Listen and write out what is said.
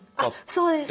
そうです